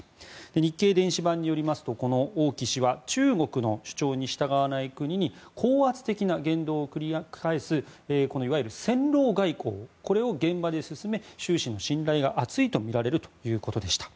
日経電子版によりますと王毅氏は中国の主張に従わない国に高圧的な言動を繰り返すいわゆる戦狼外交を現場で進め習氏の信頼が厚いとみられるということでした。